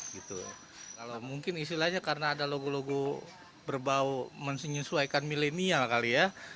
kalau mungkin istilahnya karena ada logo logo berbau menyesuaikan milenial kali ya